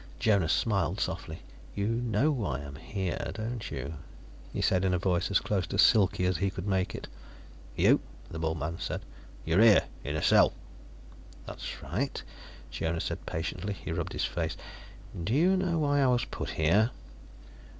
Jonas smiled softly. "You know why I'm here, don't you?" he said in a voice as close to silky as he could make it. "You?" the bald man said. "You're here. In a cell." "That's right," Jonas said patiently. He rubbed at his face. "Do you know why I was put here?"